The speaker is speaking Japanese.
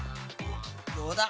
どうだ？